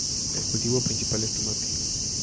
El cultivo principal es el tomate.